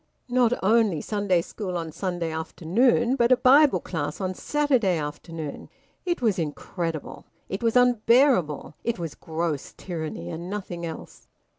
Not only Sunday school on Sunday afternoon, but a Bible class on Saturday afternoon! It was incredible. It was unbearable. It was gross tyranny, and nothing else.